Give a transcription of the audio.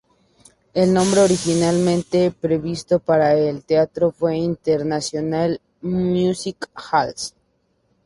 El nombre originalmente previsto para el teatro fue International Music Hall.